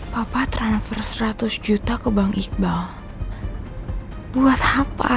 papa transfer seratus juta kebang iqbal buat apa